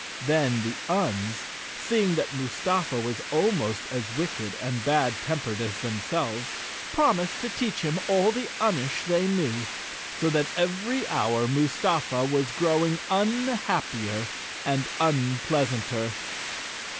Then the Uns, seeing that Mustafa was almost as Wicked and bad tempered as themselves, promised to teach him all the Unish they knew—so that every The Cowardly Lion of Oz hour Mustafa was growing unhappier and unpleas anter.